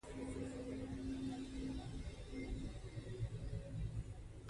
ماشومان په ښوونځي کې له استادانو څخه نوي مهارتونه زده کوي